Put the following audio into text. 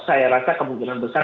saya rasa kemungkinan besar